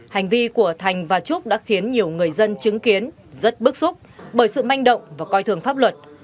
hành vi của thành và trúc đã khiến nhiều người dân chứng kiến rất bức xúc bởi sự manh động và coi thường pháp luật